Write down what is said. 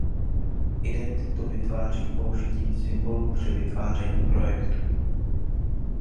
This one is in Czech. Identitu vytváří použitím symbolů při vytváření projektu.